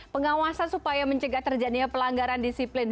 pengawasan supaya mencegah terjadinya pelanggaran disiplin